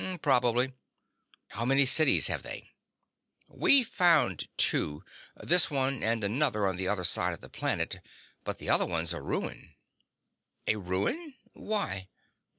"Probably." "How many cities have they?" "We've found two. This one and another on the other side of the planet. But the other one's a ruin." "A ruin? Why?"